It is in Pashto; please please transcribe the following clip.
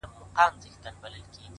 د زړه سکون له صداقت راځي.!